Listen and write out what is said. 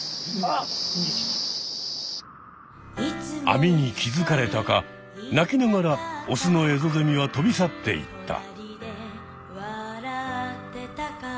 網に気付かれたか鳴きながらオスのエゾゼミは飛び去っていった。